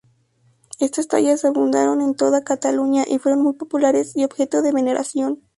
Estas tallas abundaron en toda Cataluña y fueron muy populares y objeto de veneración.